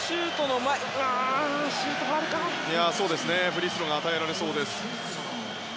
フリースローが与えられそうです。